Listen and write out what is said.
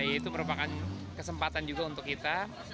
itu merupakan kesempatan juga untuk kita